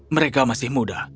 mereka masih muda